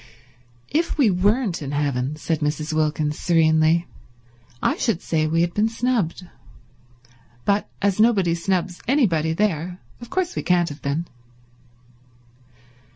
"If we weren't in heaven," said Mrs. Wilkins serenely, "I should say we had been snubbed, but as nobody snubs anybody there of course we can't have been."